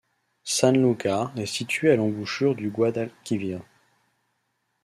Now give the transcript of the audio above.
Sanlúcar est située à l'embouchure du Guadalquivir.